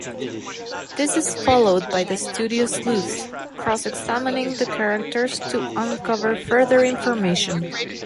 This is followed by the studio sleuths cross-examining the characters to uncover further information.